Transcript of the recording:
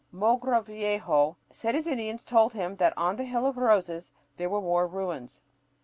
Mogrovejo said his Indians told him that on the "Hill of Roses" there were more ruins.